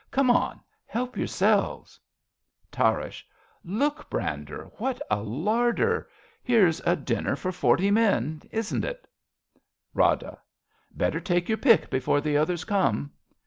Come on. Help yourselves ! 29 RADA Tarrasch, Look, Brander ! What a larder ! Here's a dinner for forty men. Isn't it? Rada. Better take your pick before the others come.